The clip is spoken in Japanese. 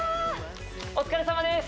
お疲れさまです